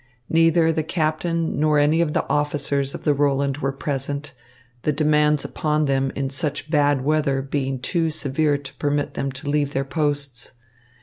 Neither the captain nor any of the officers of the Roland were present, the demands upon them in such bad weather being too severe to permit them to leave their posts.